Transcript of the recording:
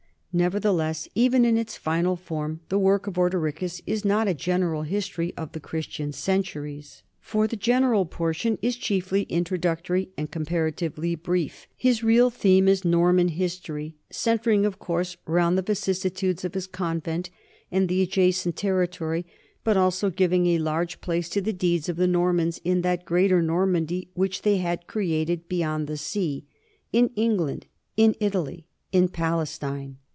Nevertheless, even in its final form the work of Ordericus is not a general history of the Christian centuries, for the general portion is chiefly introductory and comparatively brief; his real theme is Norman his tory, centring, of course, round the vicissitudes of his convent and the adjacent territory, but also giving a large place to the deeds of the Normans in that greater Normandy which they had created beyond the sea, in England, in Italy, and in Palestine.